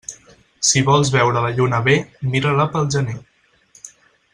Si vols veure la lluna bé, mira-la pel gener.